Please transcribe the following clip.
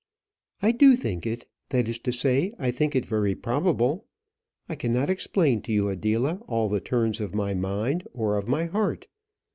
"I do think it; that is to say, I think it very probable. I cannot explain to you, Adela, all the turns of my mind, or of my heart.